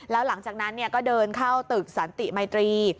แล้วหลังจากนั้นก็เดินเข้าตึกสันติมัยตรี